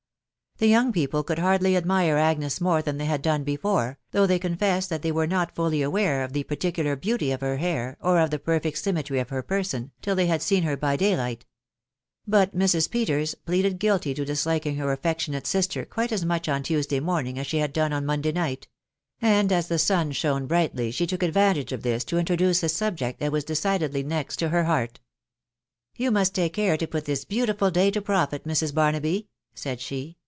The young people could hardly admire Agnes mow than they had done before, though they confessed that they were not fully aware of the particular beauty of her hair, or of the perfect symmetry of her person, till they bad seen her by day light ; but Mrs. Peters pleaded guilty to disliking her affec tionate sister quite as much on Tuesday Rooming aa she had done oa Monday night ; and as the sun shone brightly she took advantage of this to introduce the subject that was de cidedly next her heart v You must take care to* put this beautiful day ta profit, Mrs. Barnaby/' said she.